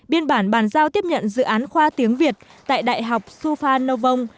biên bản bàn giao tiếp nhận dự án khoa tiếng việt tại đại học suphan nâu vông